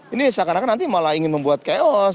ini seakan akan nanti malah ingin membuat chaos